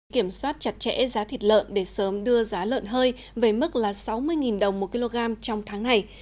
kiểm soát chặt chẽ giá thịt lợn để sớm đưa giá lợn hơi về mức là sáu mươi đồng một kg trong tháng này